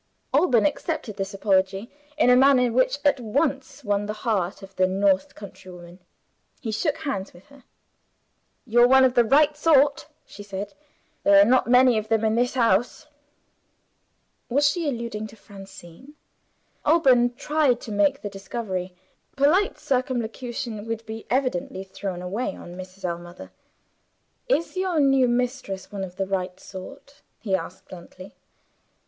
Alban accepted this apology in a manner which at once won the heart of the North countrywoman. He shook hands with her. "You're one of the right sort," she said; "there are not many of them in this house." Was she alluding to Francine? Alban tried to make the discovery. Polite circumlocution would be evidently thrown away on Mrs. Ellmother. "Is your new mistress one of the right sort?" he asked bluntly.